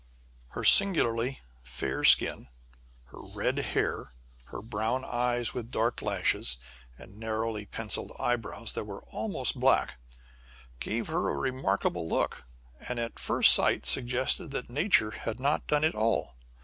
Her singularly fair skin, her red hair, her brown eyes, with dark lashes, and narrowly pencilled eyebrows that were almost black, gave her a remarkable look, and at first sight suggested that Nature had not done it all.